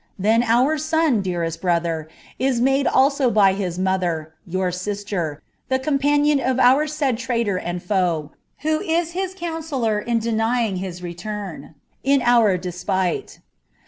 Then our son, dearest brother, is made also by his , yonr sister, the companion of our said traitor and £)e, who is his coun a delaying his return, in our despite."